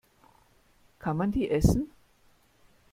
Kann man die essen?